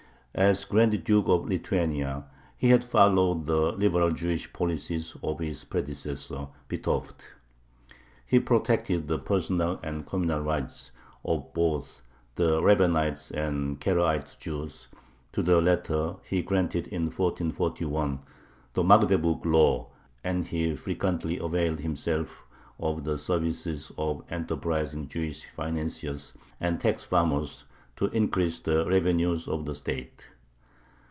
As Grand Duke of Lithuania he had followed the liberal Jewish policies of his predecessor Vitovt. He protected the personal and communal rights of both the Rabbanite and Karaite Jews to the latter he granted, in 1441, the Magdeburg Law and he frequently availed himself of the services of enterprising Jewish financiers and tax farmers to increase the revenues of the state.